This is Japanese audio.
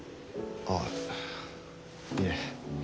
ああいえ。